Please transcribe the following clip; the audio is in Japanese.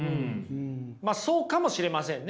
まあそうかもしれませんね。